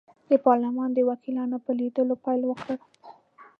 د پارلمان د وکیلانو په لیدلو پیل وکړ.